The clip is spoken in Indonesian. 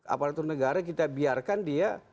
aparatur negara kita biarkan dia